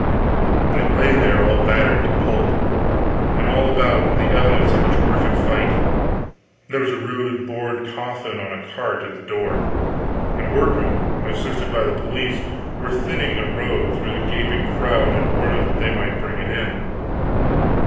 It lay there all battered to pulp; and all about were the evidences of a terrific fight. There was a rude board coffin on a cart at the door, and workmen, assisted by the police, were thinning a road through the gaping crowd in order that they might bring it in.